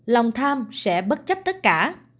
lòng tham sẽ bất chấp tất cả